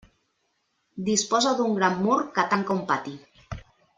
Disposa d'un gran mur que tanca un pati.